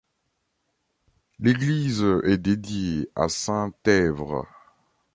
L’église est dédiée à saint Èvre.